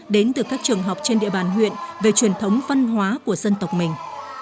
đến từ các trường học trên địa bàn huyện về truyền thống văn hóa của dân tộc mình